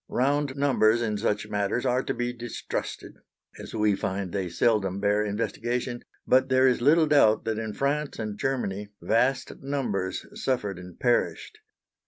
Round numbers in such matters are to be distrusted, as we find they seldom bear investigation; but there is little doubt that in France and Germany vast numbers suffered and perished.